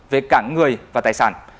về cả người và tài sản